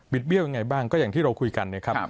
เบี้ยวยังไงบ้างก็อย่างที่เราคุยกันนะครับ